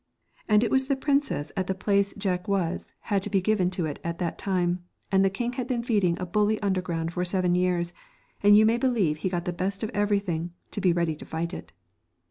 And it was the princess at 218 the place Jack was had to be given to it that time, and the king had been feeding a bully underground for seven years, and you may believe he got the best of every thing, to be ready to fight it.